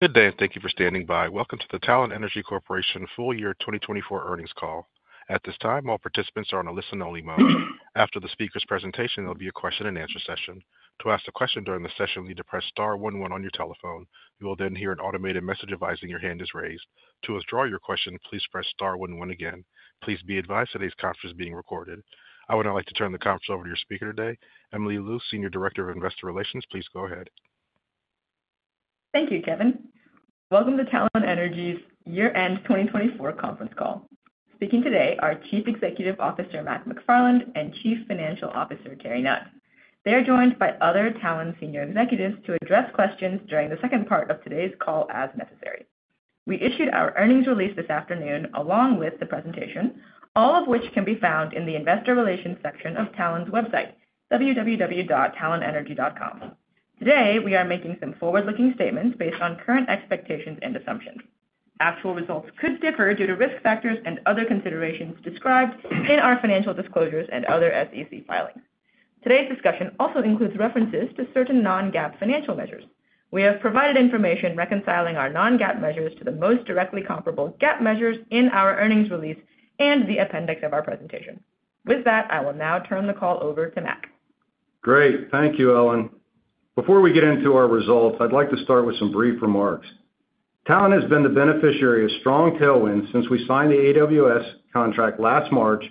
Good day, and thank you for standing by. Welcome to the Talen Energy Corporation full year 2024 earnings call. At this time, all participants are on a listen-only mode. After the speaker's presentation, there'll be a question-and-answer session. To ask a question during the session, you need to press star one one on your telephone. You will then hear an automated message advising your hand is raised. To withdraw your question, please press star one one again. Please be advised today's conference is being recorded. I would now like to turn the conference over to your speaker today, Ellen Liu, Senior Director of Investor Relations. Please go ahead. Thank you, Kevin. Welcome to Talen Energy's year-end 2024 conference call. Speaking today are Chief Executive Officer Mac McFarland and Chief Financial Officer Terry Nutt. They are joined by other Talen senior executives to address questions during the second part of today's call as necessary. We issued our earnings release this afternoon along with the presentation, all of which can be found in the Investor Relations section of Talen's website, www.talenenergy.com. Today, we are making some forward-looking statements based on current expectations and assumptions. Actual results could differ due to risk factors and other considerations described in our financial disclosures and other SEC filings. Today's discussion also includes references to certain non-GAAP financial measures. We have provided information reconciling our non-GAAP measures to the most directly comparable GAAP measures in our earnings release and the appendix of our presentation. With that, I will now turn the call over to Mac. Great. Thank you, Ellen. Before we get into our results, I'd like to start with some brief remarks. Talen has been the beneficiary of strong tailwinds since we signed the AWS contract last March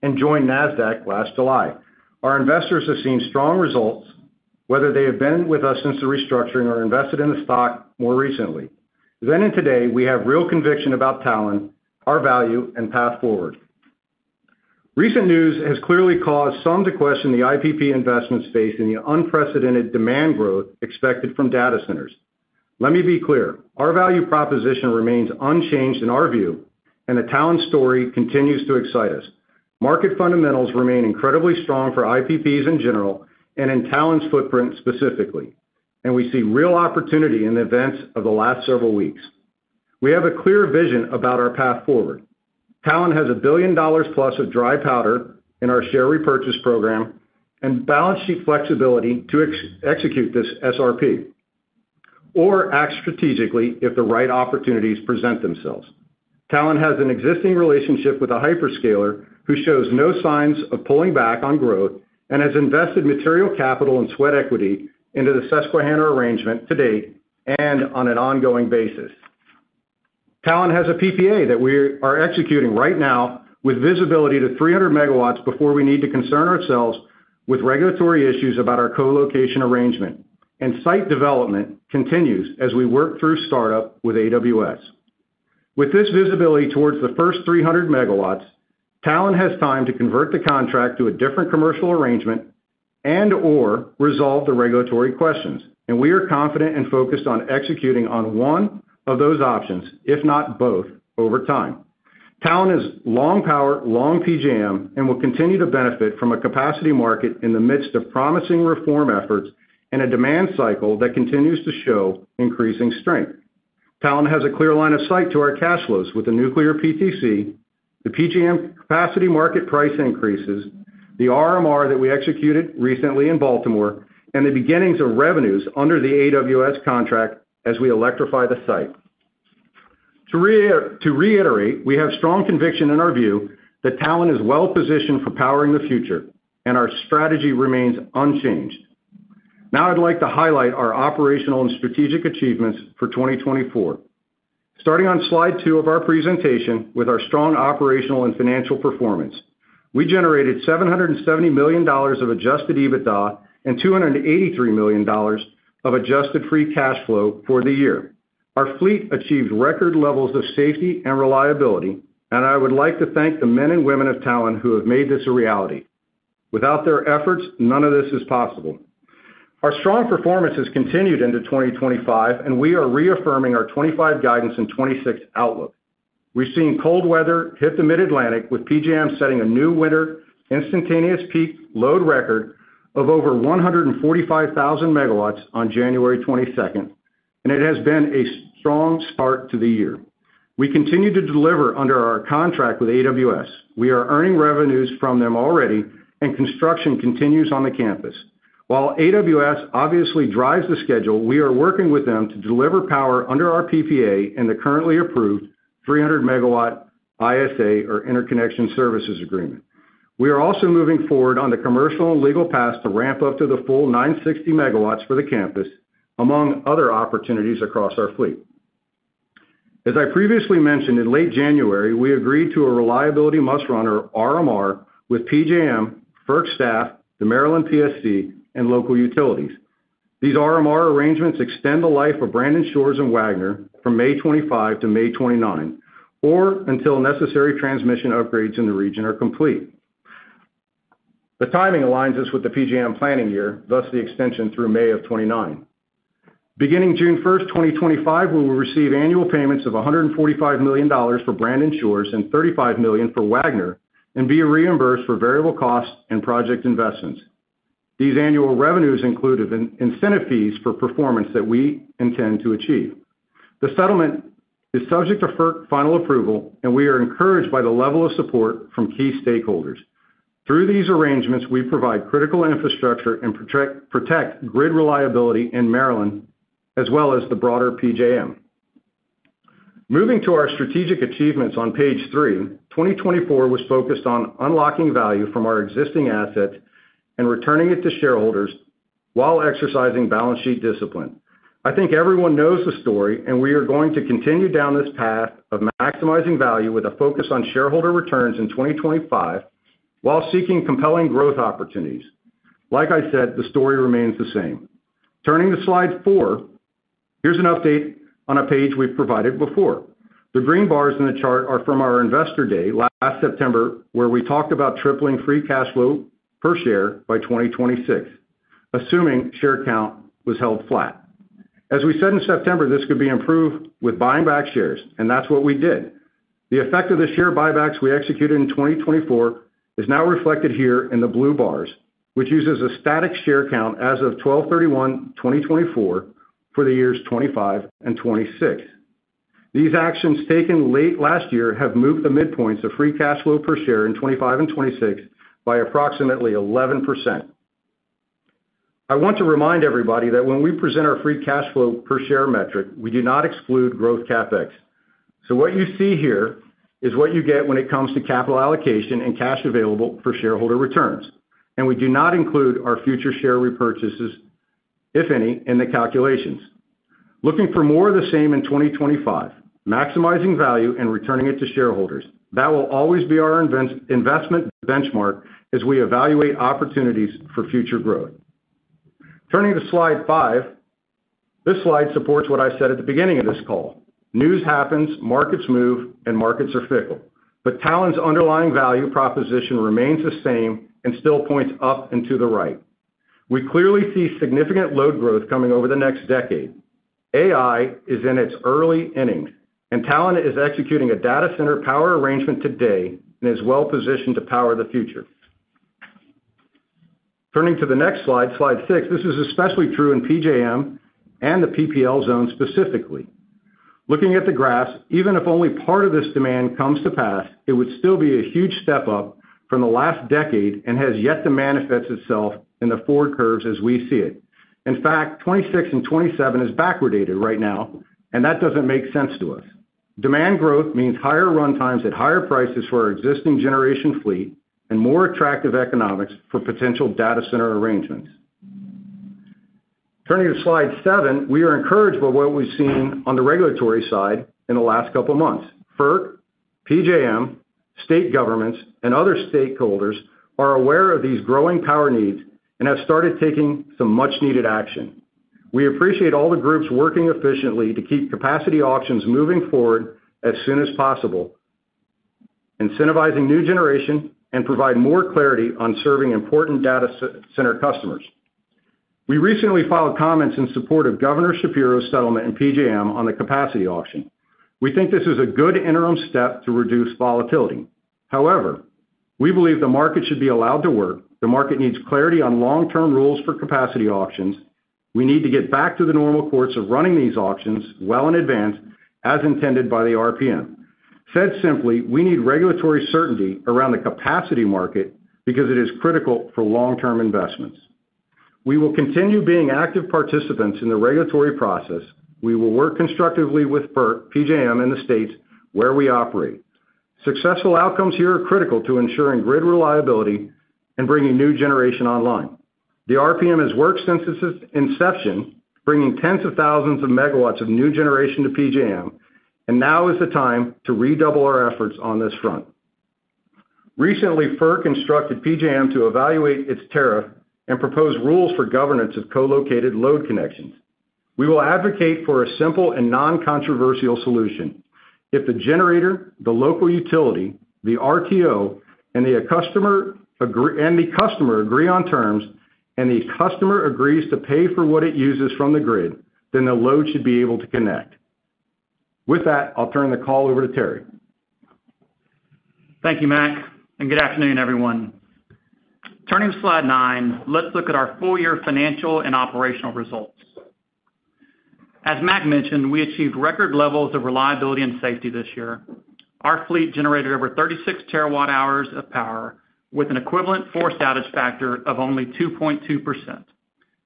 and joined NASDAQ last July. Our investors have seen strong results, whether they have been with us since the restructuring or invested in the stock more recently. Then in today, we have real conviction about Talen, our value, and path forward. Recent news has clearly caused some to question the IPP investments facing the unprecedented demand growth expected from data centers. Let me be clear. Our value proposition remains unchanged in our view, and the Talen story continues to excite us. Market fundamentals remain incredibly strong for IPPs in general and in Talen's footprint specifically, and we see real opportunity in the events of the last several weeks. We have a clear vision about our path forward. Talen has $1 billion plus of dry powder in our share repurchase program and balance sheet flexibility to execute this SRP or act strategically if the right opportunities present themselves. Talen has an existing relationship with a hyperscaler who shows no signs of pulling back on growth and has invested material capital and sweat equity into the Susquehanna arrangement to date and on an ongoing basis. Talen has a PPA that we are executing right now with visibility to 300 MW before we need to concern ourselves with regulatory issues about our co-location arrangement, and site development continues as we work through startup with AWS. With this visibility towards the first 300 MW, Talen has time to convert the contract to a different commercial arrangement and/or resolve the regulatory questions, and we are confident and focused on executing on one of those options, if not both, over time. Talen is long power, long PJM, and will continue to benefit from a capacity market in the midst of promising reform efforts and a demand cycle that continues to show increasing strength. Talen has a clear line of sight to our cash flows with the nuclear PTC, the PJM capacity market price increases, the RMR that we executed recently in Baltimore, and the beginnings of revenues under the AWS contract as we electrify the site. To reiterate, we have strong conviction in our view that Talen is well positioned for powering the future, and our strategy remains unchanged. Now, I'd like to highlight our operational and strategic achievements for 2024. Starting on slide two of our presentation with our strong operational and financial performance, we generated $770 million of Adjusted EBITDA and $283 million of Adjusted Free Cash Flow for the year. Our fleet achieved record levels of safety and reliability, and I would like to thank the men and women of Talen who have made this a reality. Without their efforts, none of this is possible. Our strong performance has continued into 2025, and we are reaffirming our 2025 guidance and 2026 outlook. We've seen cold weather hit the Mid-Atlantic with PJM setting a new winter instantaneous peak load record of over 145,000 MW on January 22nd, and it has been a strong start to the year. We continue to deliver under our contract with AWS. We are earning revenues from them already, and construction continues on the campus. While AWS obviously drives the schedule, we are working with them to deliver power under our PPA and the currently approved 300 MW ISA, or Interconnection Service Agreement. We are also moving forward on the commercial and legal path to ramp up to the full 960 MW for the campus, among other opportunities across our fleet. As I previously mentioned, in late January, we agreed to a reliability must-run or RMR with PJM, FERC staff, the Maryland PSC, and local utilities. These RMR arrangements extend the life of Brandon Shores and Wagner from May 2025 to May 2029 or until necessary transmission upgrades in the region are complete. The timing aligns us with the PJM planning year, thus the extension through May of 2029. Beginning June 1st, 2025, we will receive annual payments of $145 million for Brandon Shores and $35 million for Wagner and be reimbursed for variable costs and project investments. These annual revenues include incentive fees for performance that we intend to achieve. The settlement is subject to FERC final approval, and we are encouraged by the level of support from key stakeholders. Through these arrangements, we provide critical infrastructure and protect grid reliability in Maryland as well as the broader PJM. Moving to our strategic achievements on page three, 2024 was focused on unlocking value from our existing asset and returning it to shareholders while exercising balance sheet discipline. I think everyone knows the story, and we are going to continue down this path of maximizing value with a focus on shareholder returns in 2025 while seeking compelling growth opportunities. Like I said, the story remains the same. Turning to slide four, here's an update on a page we've provided before. The green bars in the chart are from our investor day last September, where we talked about tripling free cash flow per share by 2026, assuming share count was held flat. As we said in September, this could be improved with buying back shares, and that's what we did. The effect of the share buybacks we executed in 2024 is now reflected here in the blue bars, which uses a static share count as of 12/31/2024 for the years 2025 and 2026. These actions taken late last year have moved the midpoint of free cash flow per share in 2025 and 2026 by approximately 11%. I want to remind everybody that when we present our free cash flow per share metric, we do not exclude growth CapEx. So what you see here is what you get when it comes to capital allocation and cash available for shareholder returns, and we do not include our future share repurchases, if any, in the calculations. Looking for more of the same in 2025, maximizing value and returning it to shareholders, that will always be our investment benchmark as we evaluate opportunities for future growth. Turning to slide five, this slide supports what I said at the beginning of this call. News happens, markets move, and markets are fickle, but Talen's underlying value proposition remains the same and still points up and to the right. We clearly see significant load growth coming over the next decade. AI is in its early innings, and Talen is executing a data center power arrangement today and is well positioned to power the future. Turning to the next slide, slide six, this is especially true in PJM and the PPL zone specifically. Looking at the graphs, even if only part of this demand comes to pass, it would still be a huge step up from the last decade and has yet to manifest itself in the forward curves as we see it. In fact, 2026 and 2027 is backwardated right now, and that doesn't make sense to us. Demand growth means higher runtimes at higher prices for our existing generation fleet and more attractive economics for potential data center arrangements. Turning to slide seven, we are encouraged by what we've seen on the regulatory side in the last couple of months. FERC, PJM, state governments, and other stakeholders are aware of these growing power needs and have started taking some much-needed action. We appreciate all the groups working efficiently to keep capacity auctions moving forward as soon as possible, incentivizing new generation and provide more clarity on serving important data center customers. We recently filed comments in support of Governor Shapiro's settlement in PJM on the capacity auction. We think this is a good interim step to reduce volatility. However, we believe the market should be allowed to work. The market needs clarity on long-term rules for capacity auctions. We need to get back to the normal course of running these auctions well in advance, as intended by the RPM. Said simply, we need regulatory certainty around the capacity market because it is critical for long-term investments. We will continue being active participants in the regulatory process. We will work constructively with FERC, PJM, and the states where we operate. Successful outcomes here are critical to ensuring grid reliability and bringing new generation online. The RPM has worked since its inception, bringing tens of thousands of MW of new generation to PJM, and now is the time to redouble our efforts on this front. Recently, FERC instructed PJM to evaluate its tariff and propose rules for governance of co-located load connections. We will advocate for a simple and non-controversial solution. If the generator, the local utility, the RTO, and the customer agree on terms, and the customer agrees to pay for what it uses from the grid, then the load should be able to connect. With that, I'll turn the call over to Terry. Thank you, Mac, and good afternoon, everyone. Turning to slide nine, let's look at our full-year financial and operational results. As Mac mentioned, we achieved record levels of reliability and safety this year. Our fleet generated over 36 TWh of power with an equivalent forced outage factor of only 2.2%,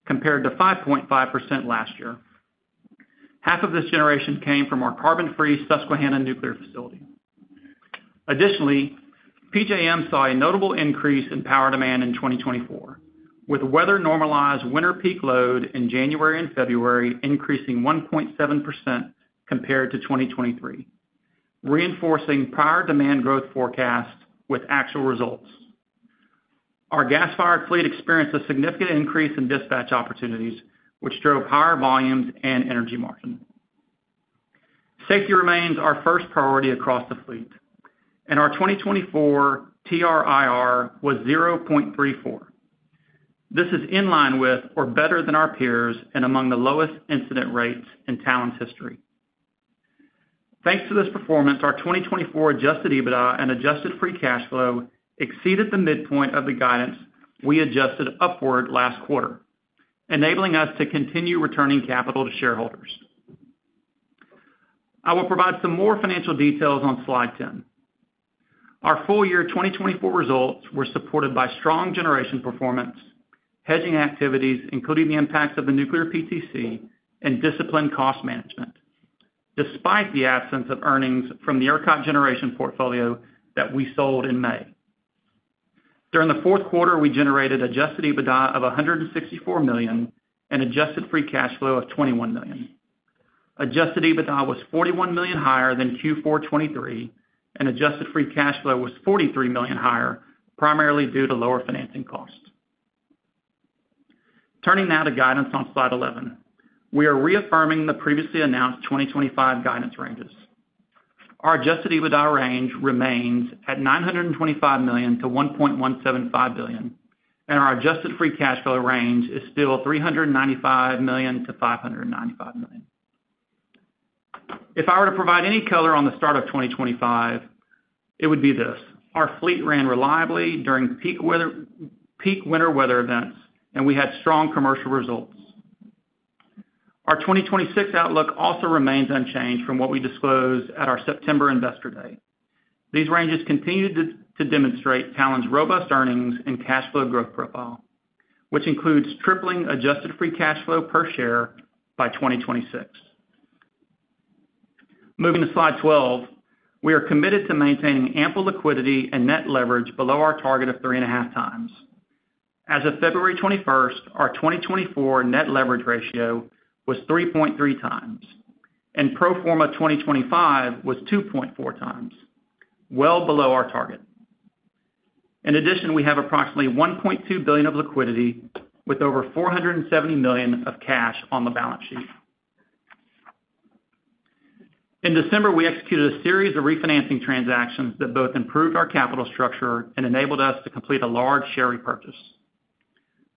compared to 5.5% last year. Half of this generation came from our carbon-free Susquehanna nuclear facility. Additionally, PJM saw a notable increase in power demand in 2024, with weather-normalized winter peak load in January and February increasing 1.7% compared to 2023, reinforcing prior demand growth forecasts with actual results. Our gas-fired fleet experienced a significant increase in dispatch opportunities, which drove higher volumes and energy margin. Safety remains our first priority across the fleet, and our 2024 TRIR was 0.34. This is in line with or better than our peers and among the lowest incident rates in Talen's history. Thanks to this performance, our 2024 adjusted EBITDA and adjusted free cash flow exceeded the midpoint of the guidance we adjusted upward last quarter, enabling us to continue returning capital to shareholders. I will provide some more financial details on slide 10. Our full-year 2024 results were supported by strong generation performance, hedging activities, including the impacts of the nuclear PTC, and disciplined cost management, despite the absence of earnings from the aircraft generation portfolio that we sold in May. During the fourth quarter, we generated adjusted EBITDA of $164 million and adjusted free cash flow of $21 million. Adjusted EBITDA was $41 million higher than Q4 2023, and adjusted free cash flow was $43 million higher, primarily due to lower financing costs. Turning now to guidance on slide 11, we are reaffirming the previously announced 2025 guidance ranges. Our adjusted EBITDA range remains at $925 million-$1.175 billion, and our adjusted free cash flow range is still $395 million-$595 million. If I were to provide any color on the start of 2025, it would be this: our fleet ran reliably during peak winter weather events, and we had strong commercial results. Our 2026 outlook also remains unchanged from what we disclosed at our September investor day. These ranges continue to demonstrate Talen's robust earnings and cash flow growth profile, which includes tripling adjusted free cash flow per share by 2026. Moving to slide 12, we are committed to maintaining ample liquidity and net leverage below our target of 3.5x. As of February 21st, our 2024 net leverage ratio was 3.3x, and pro forma 2025 was 2.4x, well below our target. In addition, we have approximately $1.2 billion of liquidity with over $470 million of cash on the balance sheet. In December, we executed a series of refinancing transactions that both improved our capital structure and enabled us to complete a large share repurchase.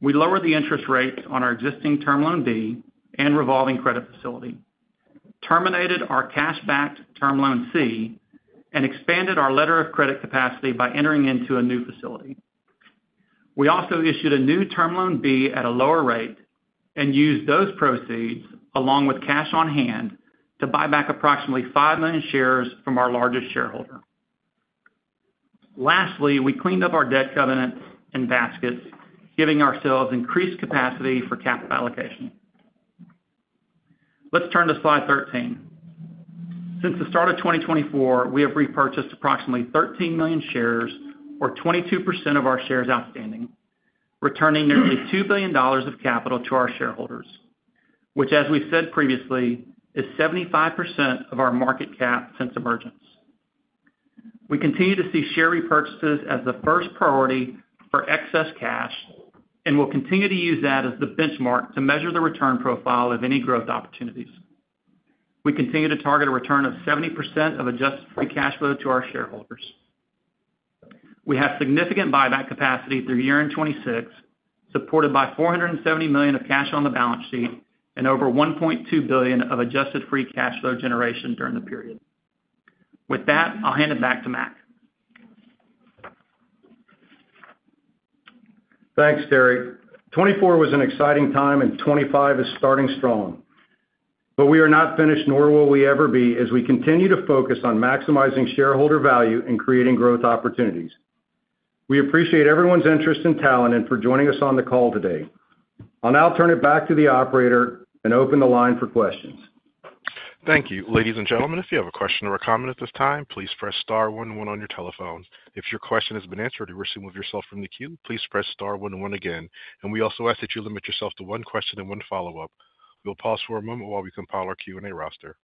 We lowered the interest rates on our existing Term Loan B and revolving credit facility, terminated our cash-backed Term Loan C, and expanded our letter of credit capacity by entering into a new facility. We also issued a new Term Loan B at a lower rate and used those proceeds, along with cash on hand, to buy back approximately 5 million shares from our largest shareholder. Lastly, we cleaned up our debt covenants and baskets, giving ourselves increased capacity for capital allocation. Let's turn to slide 13. Since the start of 2024, we have repurchased approximately 13 million shares, or 22% of our shares outstanding, returning nearly $2 billion of capital to our shareholders, which, as we said previously, is 75% of our market cap since emergence. We continue to see share repurchases as the first priority for excess cash and will continue to use that as the benchmark to measure the return profile of any growth opportunities. We continue to target a return of 70% of adjusted free cash flow to our shareholders. We have significant buyback capacity through the year in 2026, supported by $470 million of cash on the balance sheet and over $1.2 billion of adjusted free cash flow generation during the period. With that, I'll hand it back to Mac. Thanks, Terry. 2024 was an exciting time, and 2025 is starting strong. But we are not finished, nor will we ever be, as we continue to focus on maximizing shareholder value and creating growth opportunities. We appreciate everyone's interest in Talen Energy and for joining us on the call today. I'll now turn it back to the operator and open the line for questions. Thank you. Ladies and gentlemen, if you have a question or a comment at this time, please press star one and one on your telephones. If your question has been answered or you wish to move yourself from the queue, please press star one and one again. And we also ask that you limit yourself to one question and one follow-up. We'll pause for a moment while we compile our Q&A roster.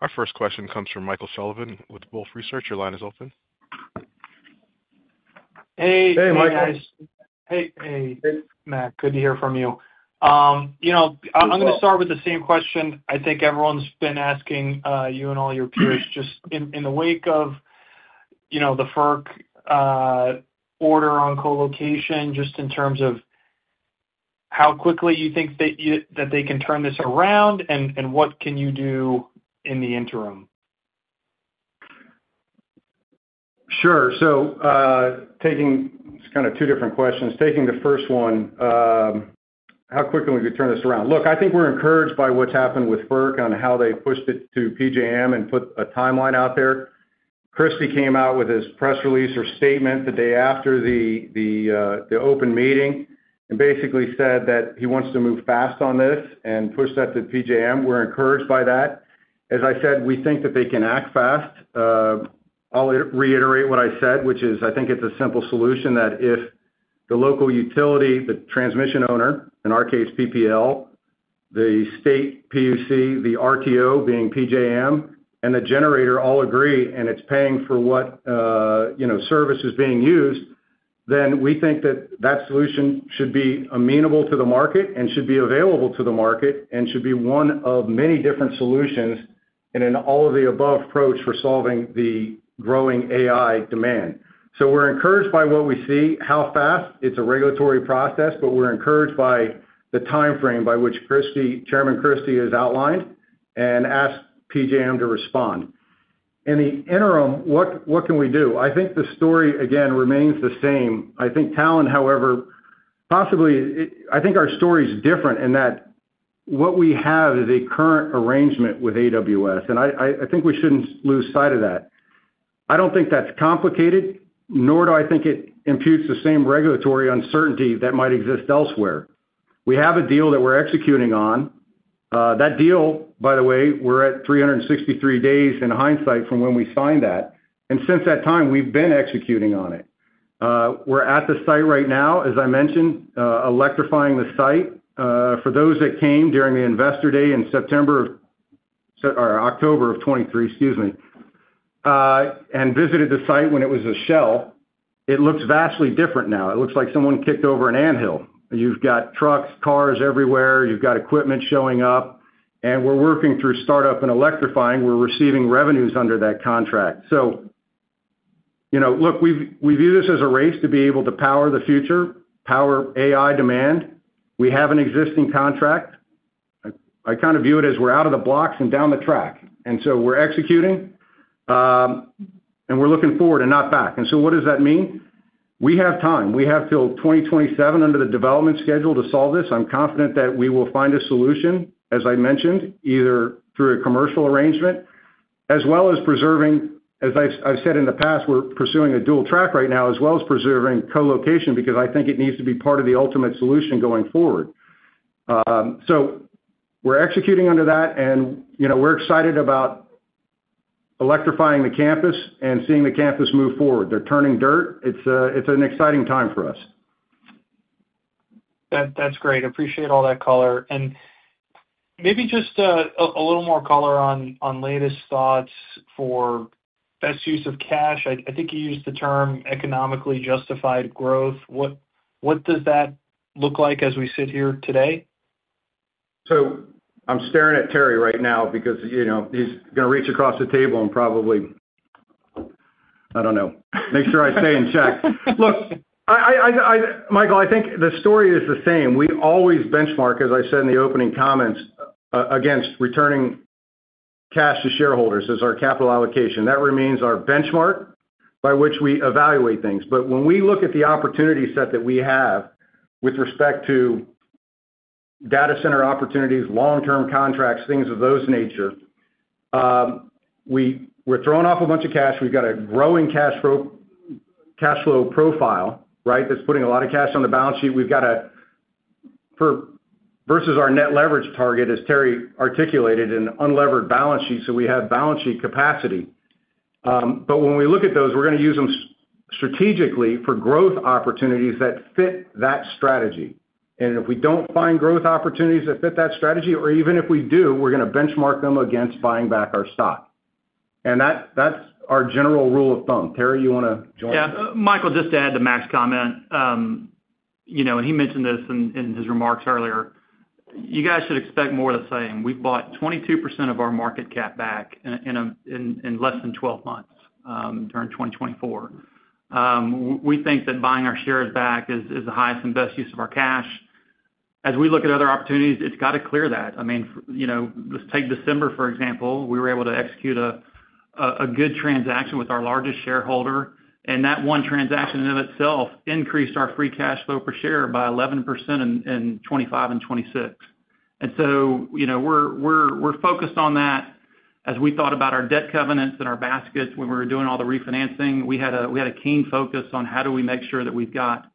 Our first question comes from Michael Sullivan with Wolfe Research. Your line is open. Hey. Hey, Michael. Hey. Hey, Mac. Good to hear from you. You know, I'm going to start with the same question. I think everyone's been asking you and all your peers just in the wake of the FERC order on co-location, just in terms of how quickly you think that they can turn this around and what can you do in the interim? Sure. So taking kind of two different questions, taking the first one, how quickly can we turn this around? Look, I think we're encouraged by what's happened with FERC on how they pushed it to PJM and put a timeline out there. Christie came out with his press release or statement the day after the open meeting and basically said that he wants to move fast on this and push that to PJM. We're encouraged by that. As I said, we think that they can act fast. I'll reiterate what I said, which is I think it's a simple solution that if the local utility, the transmission owner, in our case, PPL, the state PUC, the RTO being PJM, and the generator all agree and it's paying for what service is being used, then we think that that solution should be amenable to the market and should be available to the market and should be one of many different solutions and an all-of-the-above approach for solving the growing AI demand. So we're encouraged by what we see, how fast. It's a regulatory process, but we're encouraged by the timeframe by which Chairman Christie has outlined and asked PJM to respond. In the interim, what can we do? I think the story, again, remains the same. I think Talen, however, possibly I think our story is different in that what we have is a current arrangement with AWS, and I think we shouldn't lose sight of that. I don't think that's complicated, nor do I think it imputes the same regulatory uncertainty that might exist elsewhere. We have a deal that we're executing on. That deal, by the way, we're at 363 days in hindsight from when we signed that. And since that time, we've been executing on it. We're at the site right now, as I mentioned, electrifying the site. For those that came during the investor day in September or October of 2023, excuse me, and visited the site when it was a shell, it looks vastly different now. It looks like someone kicked over an anthill. You've got trucks, cars everywhere. You've got equipment showing up. And we're working through startup and electrifying. We're receiving revenues under that contract. So, you know, look, we view this as a race to be able to power the future, power AI demand. We have an existing contract. I kind of view it as we're out of the blocks and down the track. And so we're executing, and we're looking forward and not back. And so what does that mean? We have time. We have till 2027 under the development schedule to solve this. I'm confident that we will find a solution, as I mentioned, either through a commercial arrangement as well as preserving, as I've said in the past, we're pursuing a dual track right now as well as preserving co-location because I think it needs to be part of the ultimate solution going forward. So we're executing under that, and we're excited about electrifying the campus and seeing the campus move forward. They're turning dirt. It's an exciting time for us. That's great. Appreciate all that color. And maybe just a little more color on latest thoughts for best use of cash. I think you used the term economically justified growth. What does that look like as we sit here today? So, I'm staring at Terry right now because he's going to reach across the table and probably, I don't know, make sure I stay in check. Look, Michael, I think the story is the same. We always benchmark, as I said in the opening comments, against returning cash to shareholders as our capital allocation. That remains our benchmark by which we evaluate things. But when we look at the opportunity set that we have with respect to data center opportunities, long-term contracts, things of those nature, we're throwing off a bunch of cash. We've got a growing cash flow profile, right, that's putting a lot of cash on the balance sheet. We've got a, versus our net leverage target, as Terry articulated, an unlevered balance sheet, so we have balance sheet capacity. But when we look at those, we're going to use them strategically for growth opportunities that fit that strategy. And if we don't find growth opportunities that fit that strategy, or even if we do, we're going to benchmark them against buying back our stock. And that's our general rule of thumb. Terry, you want to join? Yeah. Michael, just to add to Mac's comment, you know, he mentioned this in his remarks earlier. You guys should expect more of the same. We've bought 22% of our market cap back in less than 12 months during 2024. We think that buying our shares back is the highest and best use of our cash. As we look at other opportunities, it's got to clear that. I mean, you know, let's take December, for example. We were able to execute a good transaction with our largest shareholder. And that one transaction in itself increased our free cash flow per share by 11% in 2025 and 2026. So, you know, we're focused on that as we thought about our debt covenants and our baskets when we were doing all the refinancing. We had a keen focus on how do we make sure that we've got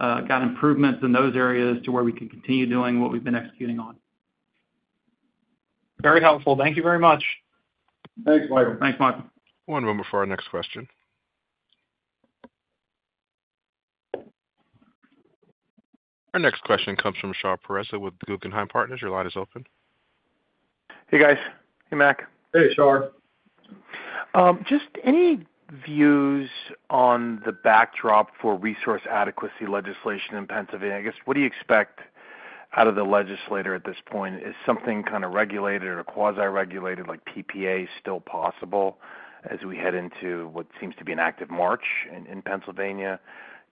improvements in those areas to where we can continue doing what we've been executing on. Very helpful. Thank you very much. Thanks, Michael. Thanks, Michael. One moment before our next question. Our next question comes from Shahriar Pourreza with Guggenheim Partners. Your line is open. Hey, guys. Hey, Mac. Hey, Shahriar. Just any views on the backdrop for resource adequacy legislation in Pennsylvania? I guess, what do you expect out of the legislator at this point? Is something kind of regulated or quasi-regulated like PPA still possible as we head into what seems to be an active March in Pennsylvania?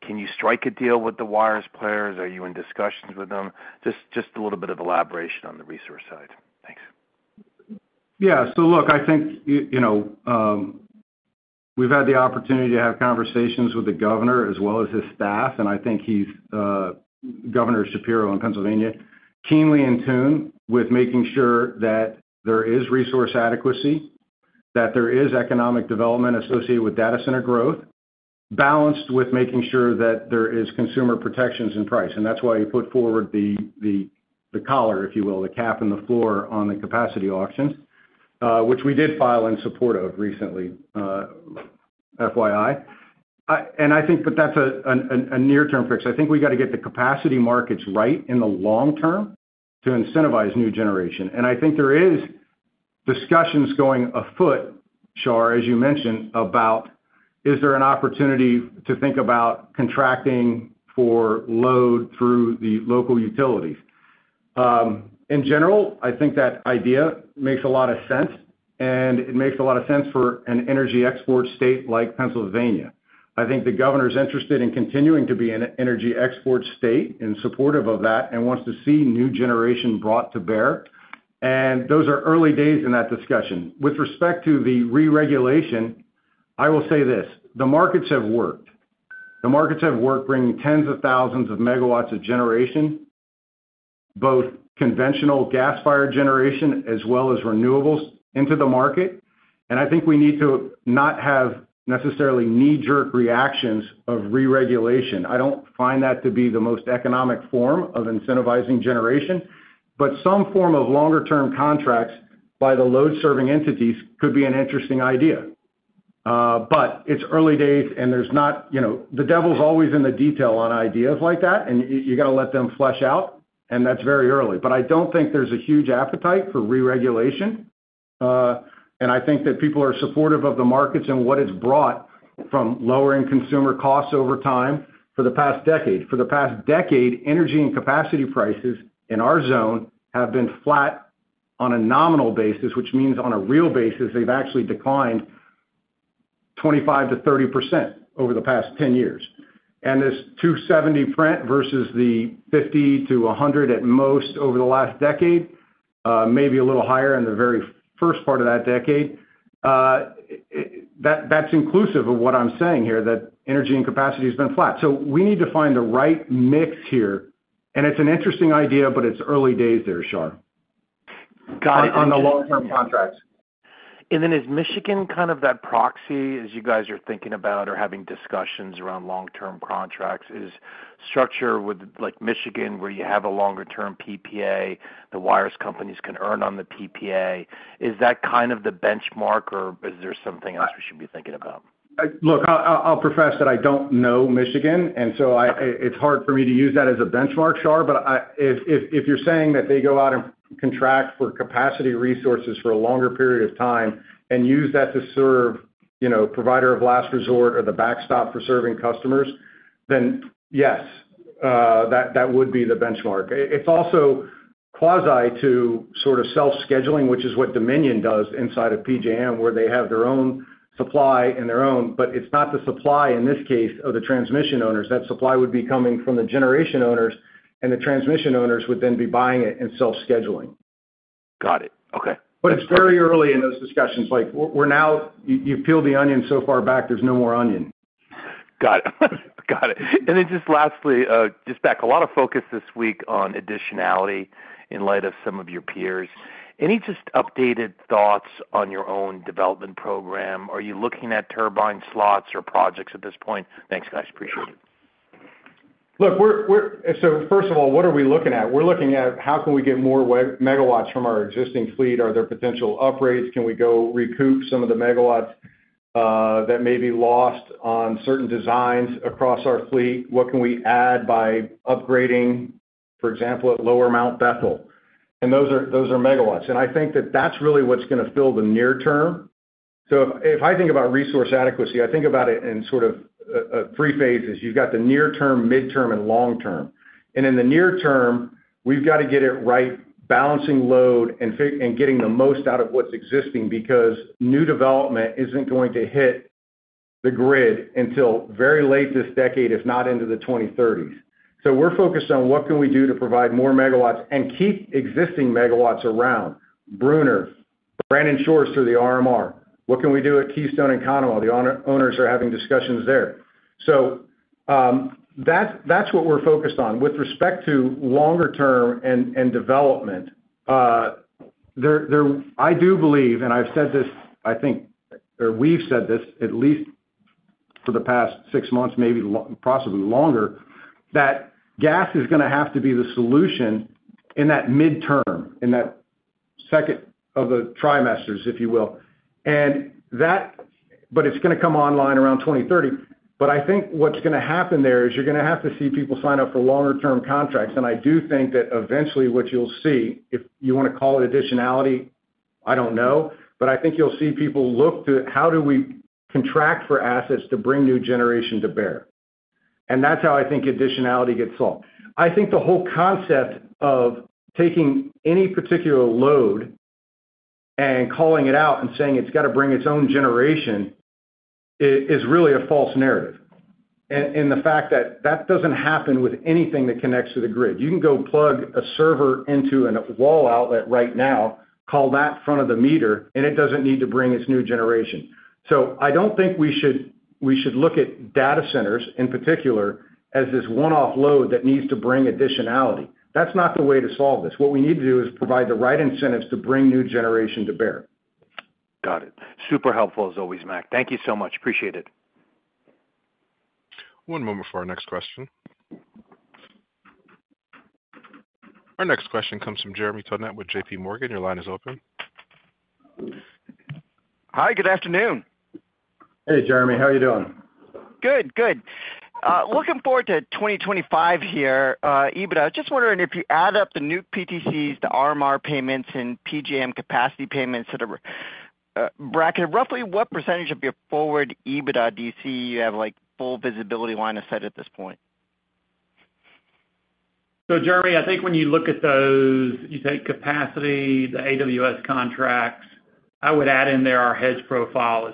Can you strike a deal with the wires players? Are you in discussions with them? Just a little bit of elaboration on the resource side. Thanks. Yeah. So look, I think, you know, we've had the opportunity to have conversations with the governor as well as his staff. And I think he's, Governor Shapiro in Pennsylvania, keenly in tune with making sure that there is resource adequacy, that there is economic development associated with data center growth, balanced with making sure that there is consumer protections in price. And that's why he put forward the collar, if you will, the cap and the floor on the capacity auctions, which we did file in support of recently, FYI. And I think, but that's a near-term fix. I think we got to get the capacity markets right in the long term to incentivize new generation. And I think there are discussions going afoot, Shar, as you mentioned, about is there an opportunity to think about contracting for load through the local utilities. In general, I think that idea makes a lot of sense, and it makes a lot of sense for an energy export state like Pennsylvania. I think the governor's interested in continuing to be an energy export state and supportive of that and wants to see new generation brought to bear. And those are early days in that discussion. With respect to the re-regulation, I will say this: the markets have worked. The markets have worked bringing tens of thousands of MW of generation, both conventional gas-fired generation as well as renewables into the market. And I think we need to not have necessarily knee-jerk reactions of re-regulation. I don't find that to be the most economic form of incentivizing generation, but some form of longer-term contracts by the load-serving entities could be an interesting idea. But it's early days, and there's not, you know, the devil's always in the detail on ideas like that, and you got to let them flesh out, and that's very early. But I don't think there's a huge appetite for re-regulation. And I think that people are supportive of the markets and what it's brought from lowering consumer costs over time for the past decade. For the past decade, energy and capacity prices in our zone have been flat on a nominal basis, which means on a real basis, they've actually declined 25%-30% over the past 10 years. And this 270 print versus the 50-100 at most over the last decade, maybe a little higher in the very first part of that decade, that's inclusive of what I'm saying here, that energy and capacity has been flat. So we need to find the right mix here. And it's an interesting idea, but it's early days there, Shawn, on the long-term contracts. Is Michigan kind of that proxy, as you guys are thinking about or having discussions around long-term contracts, is structure with like Michigan where you have a longer-term PPA, the wires companies can earn on the PPA? Is that kind of the benchmark, or is there something else we should be thinking about? Look, I'll profess that I don't know Michigan, and so it's hard for me to use that as a benchmark, Shawn. But if you're saying that they go out and contract for capacity resources for a longer period of time and use that to serve, you know, provider of last resort or the backstop for serving customers, then yes, that would be the benchmark. It's also quasi to sort of self-scheduling, which is what Dominion does inside of PJM, where they have their own supply and their own, but it's not the supply in this case of the transmission owners. That supply would be coming from the generation owners, and the transmission owners would then be buying it and self-scheduling. Got it. Okay. It's very early in those discussions. Like we're now, you peel the onion so far back, there's no more onion. Got it. Got it. And then just lastly, just back, a lot of focus this week on additionality in light of some of your peers. Any just updated thoughts on your own development program? Are you looking at turbine slots or projects at this point? Thanks, guys. Appreciate it. Look, we're so first of all, what are we looking at? We're looking at how can we get more megawatts from our existing fleet? Are there potential upgrades? Can we go recoup some of the megawatts that may be lost on certain designs across our fleet? What can we add by upgrading, for example, at Lower Mount Bethel? And those are megawatts. And I think that that's really what's going to fill the near term. So if I think about resource adequacy, I think about it in sort of three phases. You've got the near term, midterm, and long term. And in the near term, we've got to get it right, balancing load and getting the most out of what's existing because new development isn't going to hit the grid until very late this decade, if not into the 2030s. So we're focused on what we can do to provide more megawatts and keep existing megawatts around Brunner, Brandon Shores through the RMR. What can we do at Keystone and Conemaugh? The owners are having discussions there. So that's what we're focused on with respect to longer term and development. I do believe, and I've said this, I think, or we've said this at least for the past six months, maybe possibly longer, that gas is going to have to be the solution in that midterm, in that second of the trimesters, if you will. And that, but it's going to come online around 2030. But I think what's going to happen there is you're going to have to see people sign up for longer-term contracts. I do think that eventually what you'll see, if you want to call it additionality, I don't know, but I think you'll see people look to how do we contract for assets to bring new generation to bear. That's how I think additionality gets solved. I think the whole concept of taking any particular load and calling it out and saying it's got to bring its own generation is really a false narrative. The fact that that doesn't happen with anything that connects to the grid. You can go plug a server into a wall outlet right now, call that front of the meter, and it doesn't need to bring its new generation. So I don't think we should look at data centers in particular as this one-off load that needs to bring additionality. That's not the way to solve this. What we need to do is provide the right incentives to bring new generation to bear. Got it. Super helpful as always, Mac. Thank you so much. Appreciate it. One moment for our next question. Our next question comes from Jeremy Tonet with JP Morgan. Your line is open. Hi, good afternoon. Hey, Jeremy. How are you doing? Good, good. Looking forward to 2025 here, EBITDA. Just wondering if you add up the new PTCs, the RMR payments, and PJM capacity payments that are bracketed, roughly what percentage of your forward EBITDA DC you have like full visibility line of sight at this point? So, Jeremy, I think when you look at those, you take capacity, the AWS contracts. I would add in there our hedge profile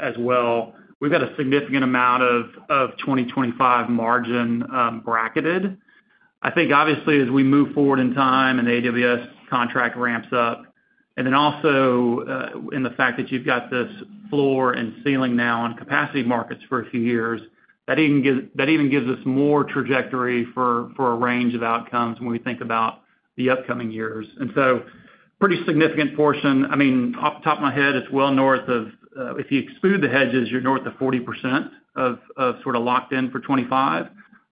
as well. We've got a significant amount of 2025 margin bracketed. I think obviously as we move forward in time and the AWS contract ramps up, and then also in the fact that you've got this floor and ceiling now on capacity markets for a few years, that even gives us more trajectory for a range of outcomes when we think about the upcoming years. And so pretty significant portion. I mean, off the top of my head, it's well north of, if you exclude the hedges, you're north of 40% of sort of locked in for 2025.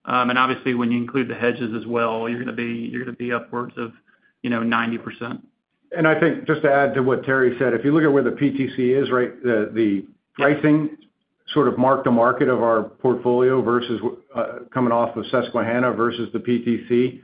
And obviously when you include the hedges as well, you're going to be upwards of, you know, 90%. I think just to add to what Terry said, if you look at where the PTC is, right, the pricing sort of mark to market of our portfolio versus coming off of Susquehanna versus the PTC,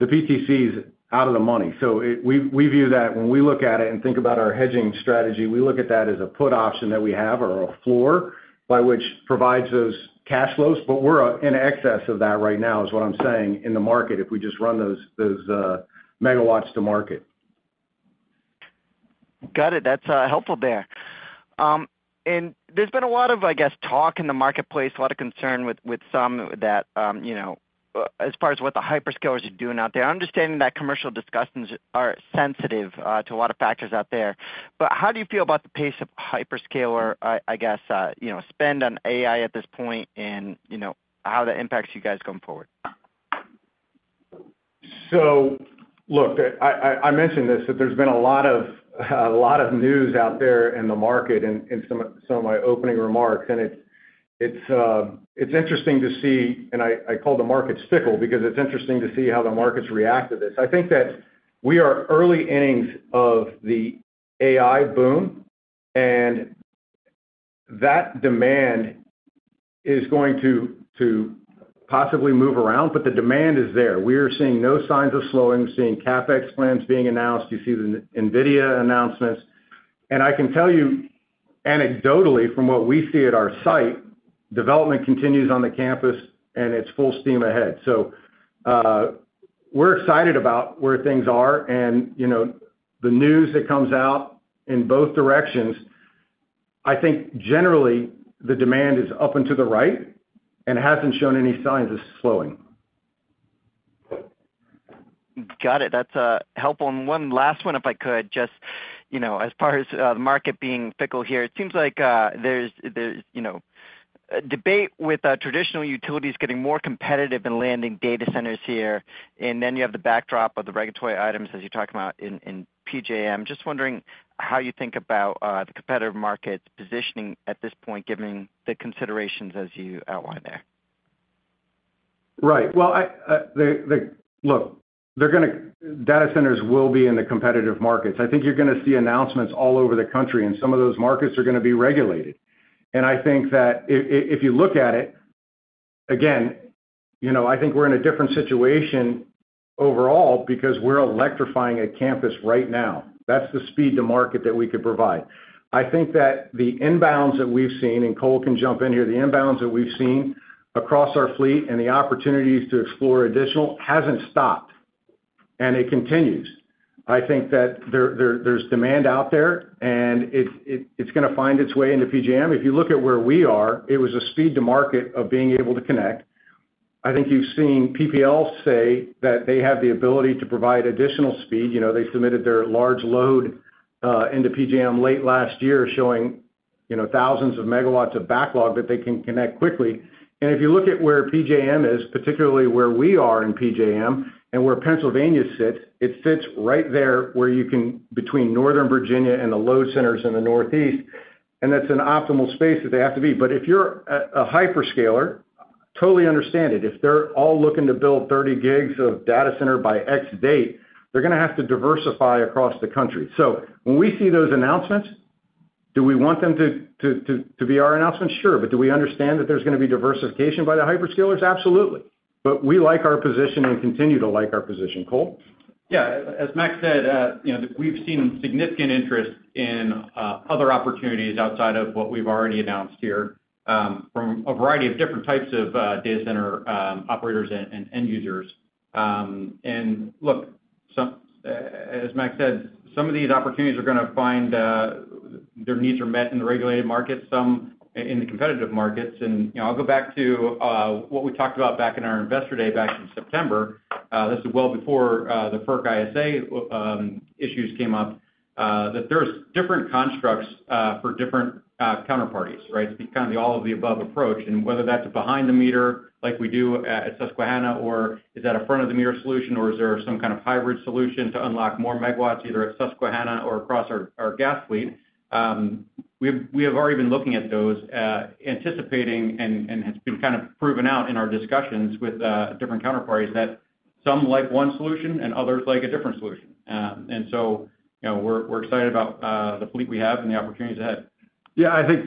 the PTC is out of the money. So we view that when we look at it and think about our hedging strategy, we look at that as a put option that we have or a floor by which provides those cash flows. But we're in excess of that right now is what I'm saying in the market if we just run those megawatts to market. Got it. That's helpful there. And there's been a lot of, I guess, talk in the marketplace, a lot of concern with some that, you know, as far as what the hyperscalers are doing out there. I'm understanding that commercial discussions are sensitive to a lot of factors out there. But how do you feel about the pace of hyperscaler, I guess, you know, spend on AI at this point and, you know, how that impacts you guys going forward? So look, I mentioned this, that there's been a lot of news out there in the market in some of my opening remarks. And it's interesting to see, and I call the markets fickle because it's interesting to see how the markets react to this. I think that we are early innings of the AI boom, and that demand is going to possibly move around, but the demand is there. We are seeing no signs of slowing, seeing CapEx plans being announced, you see the NVIDIA announcements. And I can tell you anecdotally from what we see at our site, development continues on the campus and it's full steam ahead. So we're excited about where things are. And, you know, the news that comes out in both directions, I think generally the demand is up and to the right and hasn't shown any signs of slowing. Got it. That's helpful. And one last one, if I could, just, you know, as far as the market being fickle here, it seems like there's, you know, debate with traditional utilities getting more competitive in landing data centers here. And then you have the backdrop of the regulatory items as you're talking about in PJM. Just wondering how you think about the competitive markets positioning at this point, given the considerations as you outline there? Right. Well, look, they're going to, data centers will be in the competitive markets. I think you're going to see announcements all over the country, and some of those markets are going to be regulated. And I think that if you look at it, again, you know, I think we're in a different situation overall because we're electrifying a campus right now. That's the speed to market that we could provide. I think that the inbounds that we've seen, and Cole can jump in here, the inbounds that we've seen across our fleet and the opportunities to explore additional hasn't stopped. And it continues. I think that there's demand out there, and it's going to find its way into PJM. If you look at where we are, it was a speed to market of being able to connect. I think you've seen PPL say that they have the ability to provide additional speed. You know, they submitted their large load into PJM late last year showing, you know, thousands of megawatts of backlog that they can connect quickly. And if you look at where PJM is, particularly where we are in PJM and where Pennsylvania sits, it sits right there where you can between Northern Virginia and the load centers in the Northeast. And that's an optimal space that they have to be. But if you're a hyperscaler, totally understand it. If they're all looking to build 30 gigs of data center by X date, they're going to have to diversify across the country. So when we see those announcements, do we want them to be our announcement? Sure. But do we understand that there's going to be diversification by the hyperscalers? Absolutely. But we like our position and continue to like our position, Cole. Yeah. As Mac said, you know, we've seen significant interest in other opportunities outside of what we've already announced here from a variety of different types of data center operators and end users. And look, as Mac said, some of these opportunities are going to find their needs are met in the regulated markets, some in the competitive markets. And, you know, I'll go back to what we talked about back in our investor day back in September. This is well before the FERC ISA issues came up, that there's different constructs for different counterparties, right? It's kind of the all of the above approach. And whether that's behind the meter like we do at Susquehanna, or is that a front of the meter solution, or is there some kind of hybrid solution to unlock more megawatts either at Susquehanna or across our gas fleet? We have already been looking at those, anticipating, and it's been kind of proven out in our discussions with different counterparties that some like one solution and others like a different solution. And so, you know, we're excited about the fleet we have and the opportunities ahead. Yeah. I think,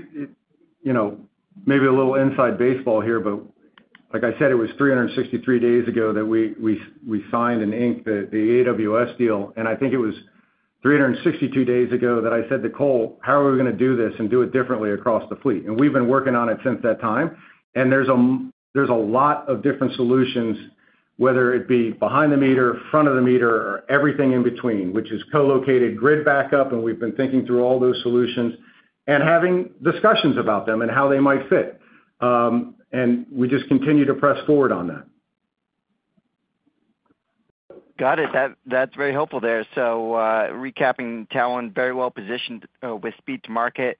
you know, maybe a little inside baseball here, but like I said, it was 363 days ago that we signed and inked the AWS deal. And I think it was 362 days ago that I said to Cole, how are we going to do this and do it differently across the fleet? We've been working on it since that time. There's a lot of different solutions, whether it be behind the meter, front of the meter, or everything in between, which is co-located grid backup. We've been thinking through all those solutions and having discussions about them and how they might fit. We just continue to press forward on that. Got it. That's very helpful there. So recapping, Talen, very well positioned with speed to market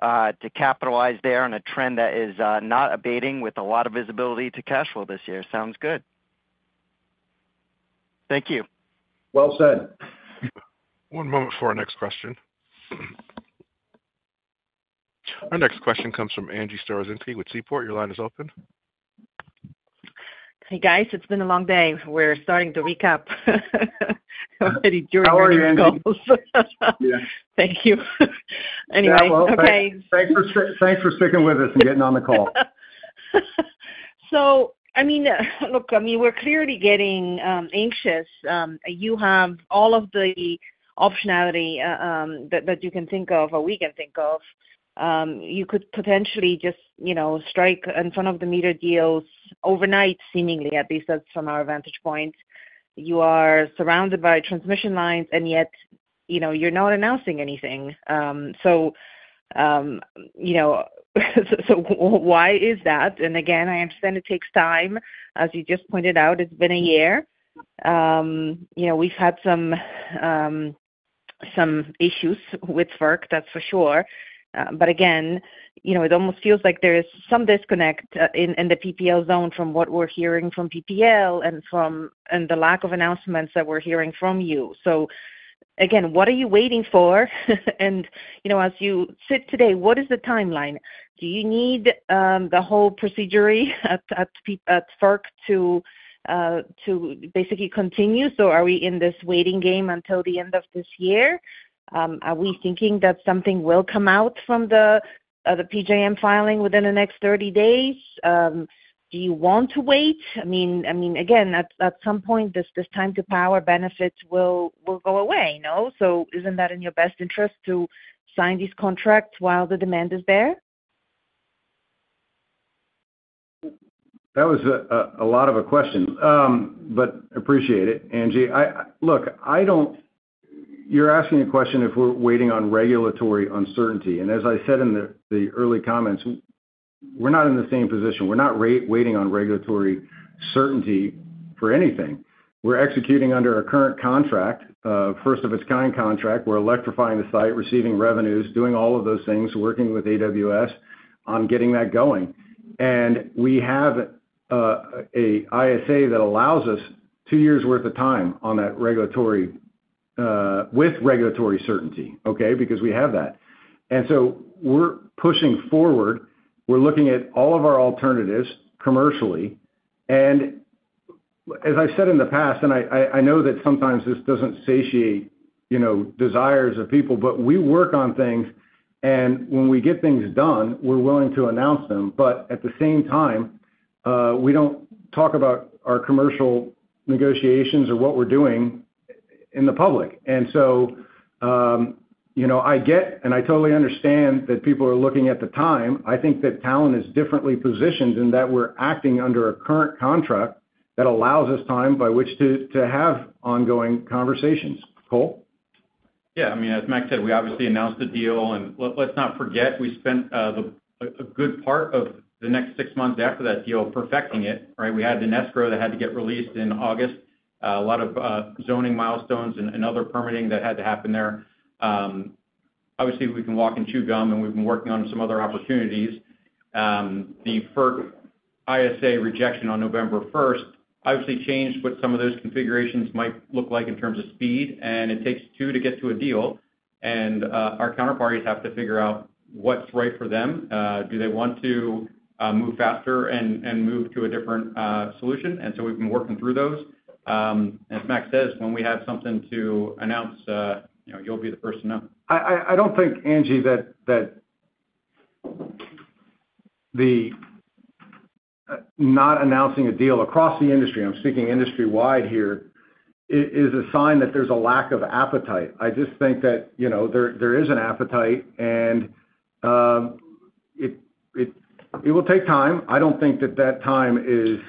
to capitalize there on a trend that is not abating with a lot of visibility to cash flow this year. Sounds good. Thank you. Well said. One moment for our next question. Our next question comes from Angie Storozynski with Seaport. Your line is open. Hey, guys. It's been a long day. We're starting to recap. How are you, Angie? Thank you. Anyway, okay. Thanks for sticking with us and getting on the call. So, I mean, look, I mean, we're clearly getting anxious. You have all of the optionality that you can think of or we can think of. You could potentially just, you know, strike in front of the meter deals overnight, seemingly, at least that's from our vantage point. You are surrounded by transmission lines, and yet, you know, you're not announcing anything. So, you know, so why is that? And again, I understand it takes time. As you just pointed out, it's been a year. You know, we've had some issues with FERC, that's for sure. But again, you know, it almost feels like there is some disconnect in the PPL zone from what we're hearing from PPL and from the lack of announcements that we're hearing from you. So again, what are you waiting for? And, you know, as you sit today, what is the timeline? Do you need the whole procedure at FERC to basically continue? So are we in this waiting game until the end of this year? Are we thinking that something will come out from the PJM filing within the next 30 days? Do you want to wait? I mean, again, at some point, this time to power benefits will go away, no? So isn't that in your best interest to sign these contracts while the demand is there? That was a lot of a question, but appreciate it, Angie. Look, I don't, you're asking a question if we're waiting on regulatory uncertainty. And as I said in the early comments, we're not in the same position. We're not waiting on regulatory certainty for anything. We're executing under our current contract, first of its kind contract. We're electrifying the site, receiving revenues, doing all of those things, working with AWS on getting that going. And we have an ISA that allows us two years' worth of time on that regulatory with regulatory certainty, okay, because we have that. And so we're pushing forward. We're looking at all of our alternatives commercially. And as I've said in the past, and I know that sometimes this doesn't satiate, you know, desires of people, but we work on things. And when we get things done, we're willing to announce them. But at the same time, we don't talk about our commercial negotiations or what we're doing in the public. And so, you know, I get, and I totally understand that people are looking at the time. I think that Talen is differently positioned in that we're acting under a current contract that allows us time by which to have ongoing conversations. Cole? Yeah. I mean, as Mac said, we obviously announced the deal. And let's not forget, we spent a good part of the next six months after that deal perfecting it, right? We had an escrow that had to get released in August, a lot of zoning milestones and other permitting that had to happen there. Obviously, we can walk and chew gum, and we've been working on some other opportunities. The FERC ISA rejection on November 1st obviously changed what some of those configurations might look like in terms of speed. It takes two to get to a deal. Our counterparties have to figure out what's right for them. Do they want to move faster and move to a different solution? We've been working through those. As Mac says, when we have something to announce, you know, you'll be the first to know. I don't think, Angie, that the not announcing a deal across the industry, I'm speaking industry-wide here, is a sign that there's a lack of appetite.I just think that, you know, there is an appetite, and it will take time. I don't think that that time is,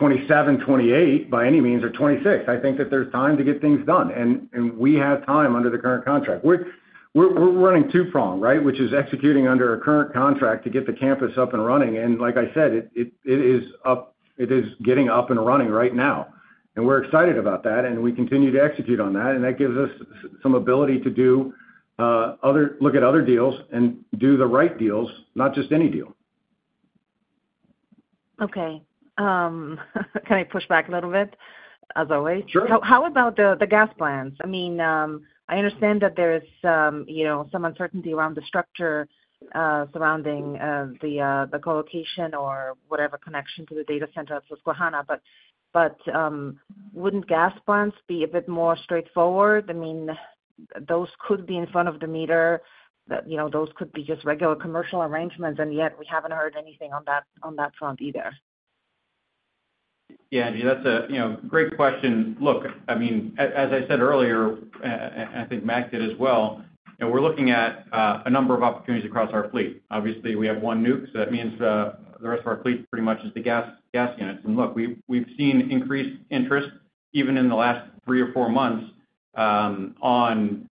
you know, 2027, 2028 by any means or 2026. I think that there's time to get things done. We have time under the current contract. We're running two-pronged, right, which is executing under our current contract to get the campus up and running. And like I said, it is up, it is getting up and running right now. And we're excited about that. And we continue to execute on that. And that gives us some ability to look at other deals and do the right deals, not just any deal. Okay. Can I push back a little bit as always? Sure. How about the gas plans? I mean, I understand that there's, you know, some uncertainty around the structure surrounding the co-location or whatever connection to the data center at Susquehanna, but wouldn't gas plans be a bit more straightforward? I mean, those could be in front of the meter. You know, those could be just regular commercial arrangements. And yet we haven't heard anything on that front either. Yeah. I mean, that's a, you know, great question. Look, I mean, as I said earlier, and I think Mac did as well, you know, we're looking at a number of opportunities across our fleet. Obviously, we have one nuke. So that means the rest of our fleet pretty much is the gas units. And look, we've seen increased interest even in the last three or four months on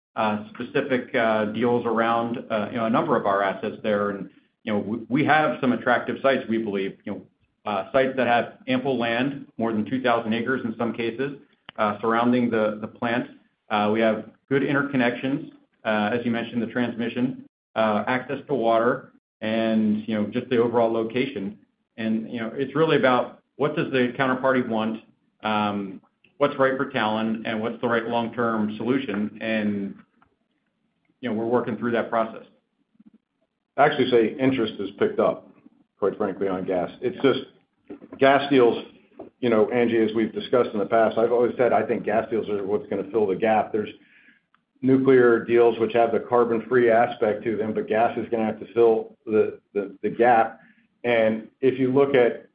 specific deals around, you know, a number of our assets there. And, you know, we have some attractive sites, we believe, you know, sites that have ample land, more than 2,000 acres in some cases surrounding the plant. We have good interconnections, as you mentioned, the transmission, access to water, and, you know, just the overall location. And, you know, it's really about what does the counterparty want, what's right for Talen, and what's the right long-term solution. You know, we're working through that process. I actually say interest has picked up, quite frankly, on gas. It's just gas deals, you know, Angie, as we've discussed in the past. I've always said I think gas deals are what's going to fill the gap. There's nuclear deals which have the carbon-free aspect to them, but gas is going to have to fill the gap. And if you look at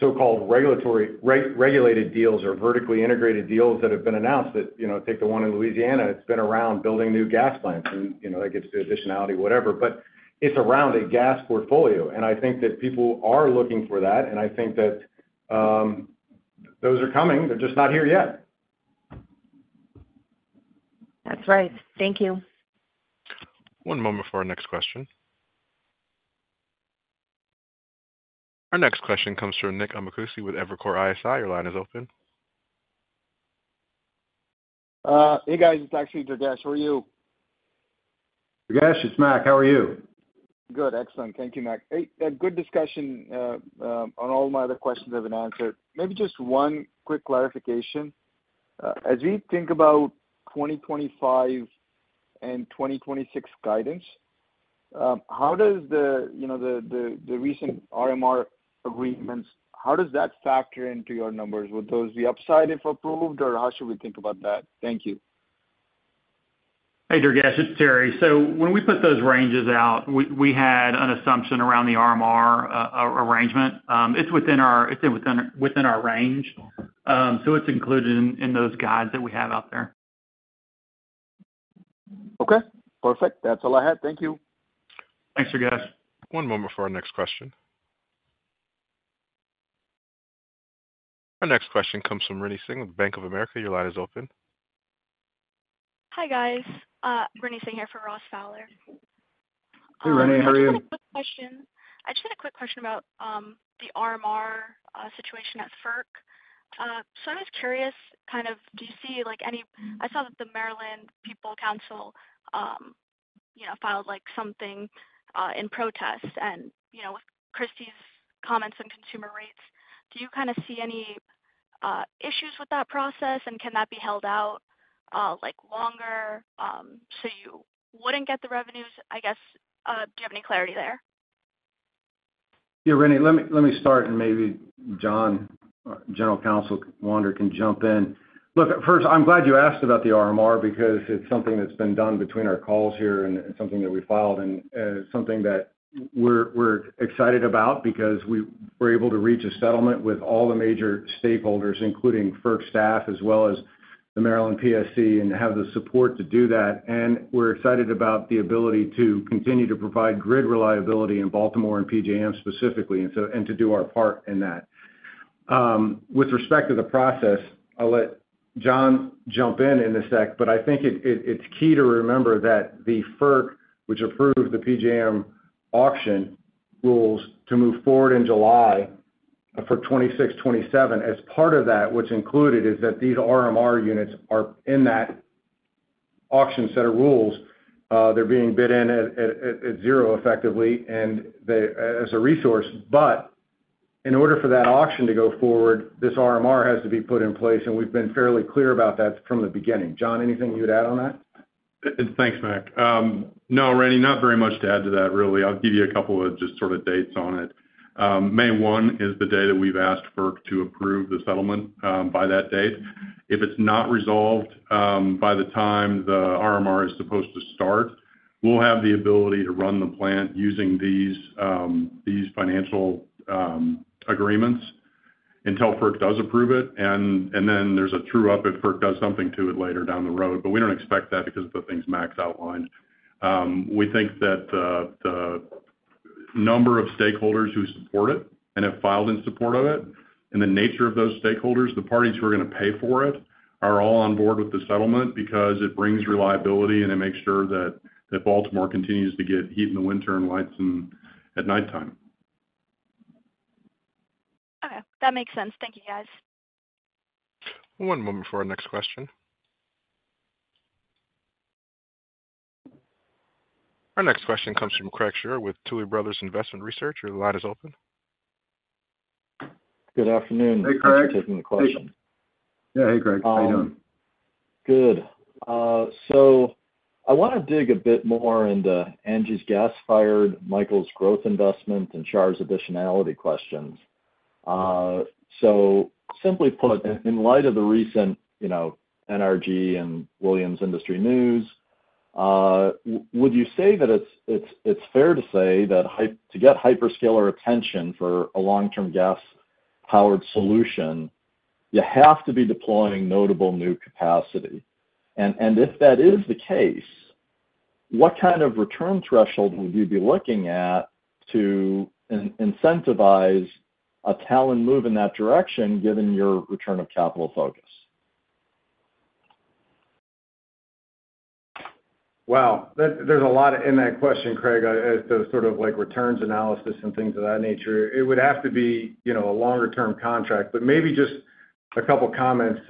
so-called regulatory regulated deals or vertically integrated deals that have been announced, that, you know, take the one in Louisiana, it's been around building new gas plants. And, you know, that gets to additionality, whatever. But it's around a gas portfolio. And I think that people are looking for that. And I think that those are coming. They're just not here yet. That's right. Thank you. One moment for our next question. Our next question comes from Nick Amicucci with Evercore ISI. Your line is open. Hey, guys. It's actually Durgesh. How are you? Durgesh, it's Mac. How are you? Good. Excellent. Thank you, Mac. Hey, good discussion on all my other questions have been answered. Maybe just one quick clarification. As we think about 2025 and 2026 guidance, how does the, you know, the recent RMR agreements, how does that factor into your numbers? Would those be upside if approved, or how should we think about that? Thank you. Hey, Durgesh, it's Terry. So when we put those ranges out, we had an assumption around the RMR arrangement. It's within our range. So it's included in those guides that we have out there. Okay. Perfect. That's all I had. Thank you. Thanks, Durgesh. One moment for our next question. Our next question comes from Rinny Singh with Bank of America. Your line is open. Hi, guys. Rinny Singh here for Ross Fowler. Hey, Renee. How are you? I just had a quick question about the RMR situation at FERC. So I'm just curious, kind of, do you see like any, I saw that the Maryland People's Counsel, you know, filed like something in protest and, you know, with Christie's comments on consumer rates. Do you kind of see any issues with that process? And can that be held out like longer so you wouldn't get the revenues? I guess, do you have any clarity there? Yeah, Renee, let me start and maybe John Wander, General Counsel, can jump in. Look, first, I'm glad you asked about the RMR because it's something that's been done between our calls here and something that we filed and something that we're excited about because we were able to reach a settlement with all the major stakeholders, including FERC staff as well as the Maryland PSC, and have the support to do that. And we're excited about the ability to continue to provide grid reliability in Baltimore and PJM specifically and to do our part in that. With respect to the process, I'll let John jump in in a sec, but I think it's key to remember that the FERC, which approved the PJM auction, rules to move forward in July for 2026, 2027. As part of that, what's included is that these RMR units are in that auction set of rules. They're being bid in at zero effectively and as a resource. But in order for that auction to go forward, this RMR has to be put in place. And we've been fairly clear about that from the beginning. John, anything you would add on that? Thanks, Mac. No, Renee, not very much to add to that, really. I'll give you a couple of just sort of dates on it. May 1 is the day that we've asked FERC to approve the settlement by that date. If it's not resolved by the time the RMR is supposed to start, we'll have the ability to run the plant using these financial agreements until FERC does approve it. And then there's a true-up if FERC does something to it later down the road. But we don't expect that because of the things Mac's outlined. We think that the number of stakeholders who support it and have filed in support of it and the nature of those stakeholders, the parties who are going to pay for it, are all on board with the settlement because it brings reliability and it makes sure that Baltimore continues to get heat in the winter and lights at nighttime. Okay. That makes sense. Thank you, guys. One moment for our next question. Our next question comes from Craig Shere with Tuohy Brothers Investment Research. Your line is open. Good afternoon. Hey, Craig. Thanks for taking the question. Yeah. Hey, Craig. How are you doing? Good. So I want to dig a bit more into Angie's gas-fired Michael's growth investment and Shahriar's additionality questions. So simply put, in light of the recent, you know, NRG and Williams industry news, would you say that it's fair to say that to get hyperscaler attention for a long-term gas-powered solution, you have to be deploying notable new capacity? And if that is the case, what kind of return threshold would you be looking at to incentivize a Talen move in that direction given your return of capital focus? Wow. There's a lot in that question, Craig, as to sort of like returns analysis and things of that nature. It would have to be, you know, a longer-term contract. But maybe just a couple of comments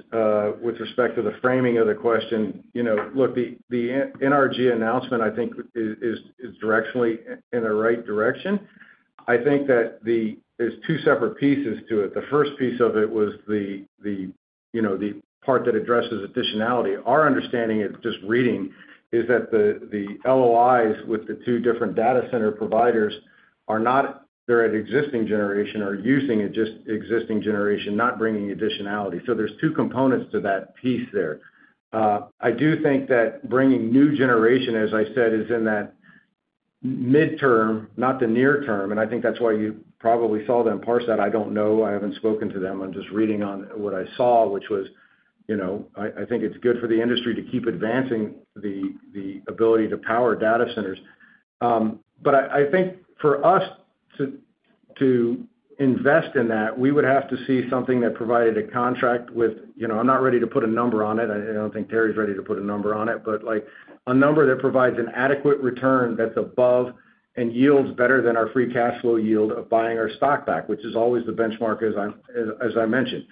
with respect to the framing of the question. You know, look, the NRG announcement, I think, is directionally in the right direction. I think that there's two separate pieces to it. The first piece of it was the, you know, the part that addresses additionality. Our understanding, just reading, is that the LOIs with the two different data center providers are not, they're at existing generation or using just existing generation, not bringing additionality. So there's two components to that piece there. I do think that bringing new generation, as I said, is in that midterm, not the near term. And I think that's why you probably saw them parse that. I don't know. I haven't spoken to them. I'm just reading on what I saw, which was, you know, I think it's good for the industry to keep advancing the ability to power data centers. But I think for us to invest in that, we would have to see something that provided a contract with, you know, I'm not ready to put a number on it. I don't think Terry's ready to put a number on it, but like a number that provides an adequate return that's above and yields better than our free cash flow yield of buying our stock back, which is always the benchmark, as I mentioned.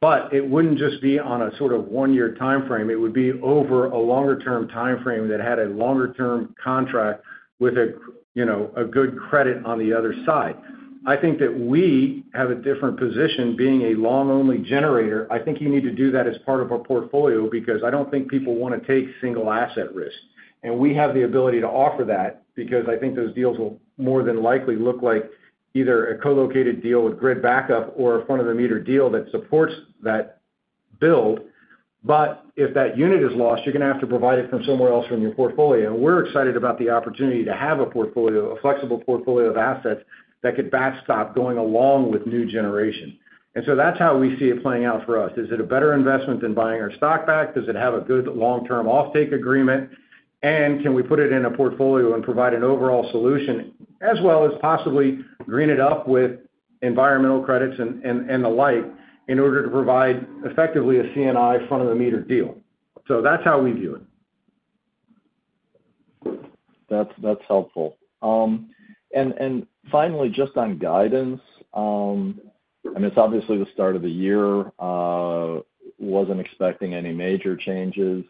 But it wouldn't just be on a sort of one-year time frame. It would be over a longer-term time frame that had a longer-term contract with a, you know, a good credit on the other side. I think that we have a different position being a long-only generator. I think you need to do that as part of our portfolio because I don't think people want to take single asset risk. And we have the ability to offer that because I think those deals will more than likely look like either a co-located deal with grid backup or a front-of-the-meter deal that supports that build. But if that unit is lost, you're going to have to provide it from somewhere else from your portfolio. And we're excited about the opportunity to have a portfolio, a flexible portfolio of assets that could backstop going along with new generation. And so that's how we see it playing out for us. Is it a better investment than buying our stock back? Does it have a good long-term offtake agreement? And can we put it in a portfolio and provide an overall solution as well as possibly green it up with environmental credits and the like in order to provide effectively a CNI front-of-the-meter deal? So that's how we view it. That's helpful. And finally, just on guidance, I mean, it's obviously the start of the year. I wasn't expecting any major changes,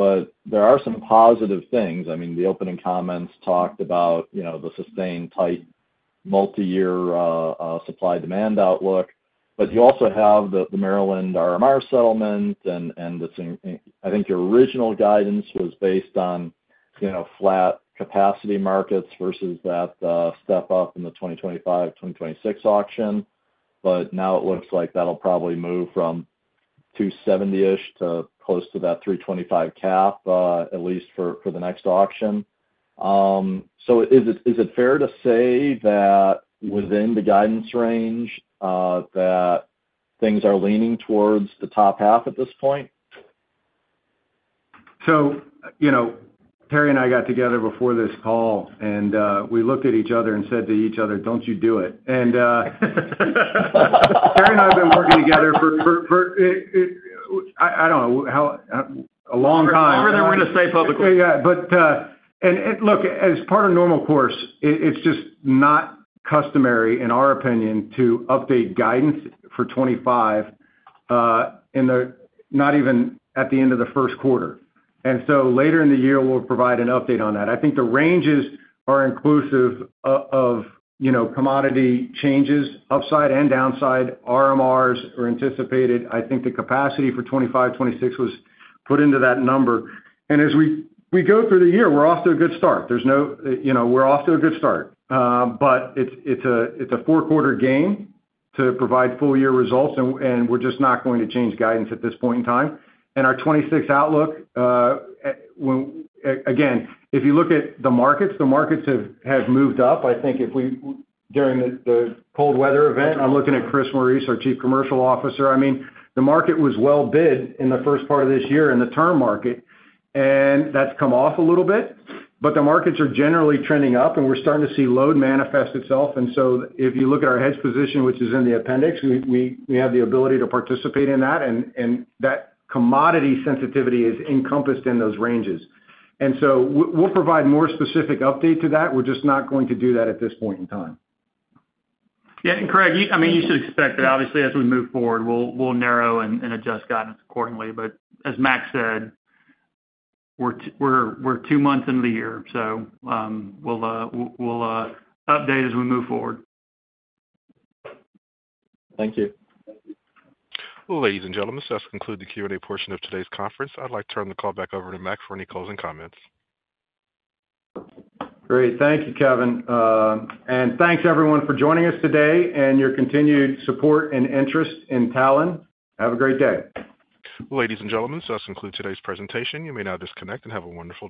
but there are some positive things. I mean, the opening comments talked about, you know, the sustained tight multi-year supply-demand outlook. But you also have the Maryland RMR settlement. And I think your original guidance was based on, you know, flat capacity markets versus that step up in the 2025, 2026 auction. But now it looks like that'll probably move from 270-ish to close to that 325 cap, at least for the next auction. So is it fair to say that within the guidance range that things are leaning towards the top half at this point? So, you know, Terry and I got together before this call, and we looked at each other and said to each other, "Don't you do it." And Terry and I have been working together for, I don't know, a long time. I'm not sure whether we're going to stay public. Yeah. But and look, as part of normal course, it's just not customary, in our opinion, to update guidance for 2025 in the, not even at the end of the first quarter. And so later in the year, we'll provide an update on that. I think the ranges are inclusive of, you know, commodity changes, upside and downside. RMRs are anticipated. I think the capacity for 2025, 2026 was put into that number. And as we go through the year, we're off to a good start. You know, we're off to a good start. But it's a four-quarter gain to provide full-year results. And we're just not going to change guidance at this point in time. And our 2026 outlook, again, if you look at the markets, the markets have moved up. I think if we, during the cold weather event, I'm looking at Chris Morais, our Chief Commercial Officer. I mean, the market was well bid in the first part of this year in the term market. And that's come off a little bit. But the markets are generally trending up. And we're starting to see load manifest itself. And so if you look at our hedge position, which is in the appendix, we have the ability to participate in that. And that commodity sensitivity is encompassed in those ranges. And so we'll provide more specific update to that. We're just not going to do that at this point in time. Yeah, and Craig, I mean, you should expect that obviously, as we move forward, we'll narrow and adjust guidance accordingly, but as Mac said, we're two months into the year, so we'll update as we move forward. Thank you. Ladies and gentlemen, so that's concluded the Q&A portion of today's conference. I'd like to turn the call back over to Mac for any closing comments. Great. Thank you, Kevin. And thanks, everyone, for joining us today and your continued support and interest in Talen. Have a great day. Ladies and gentlemen, so that's concluded today's presentation. You may now disconnect and have a wonderful.